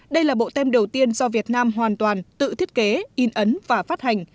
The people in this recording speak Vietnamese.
đây là bộ tem đầu tiên do việt nam hoàn toàn tự thiết kế in ấn và phát hành